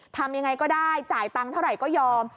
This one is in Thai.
ทำยังไงก็ได้จ่ายตังค์เท่าไหร่ก็ยอม